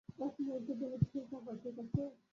এক মুহুর্তের জন্য স্থির থাকো, ঠিক আছে?